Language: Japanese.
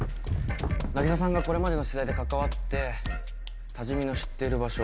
凪沙さんがこれまでの取材で関わって多治見の知っている場所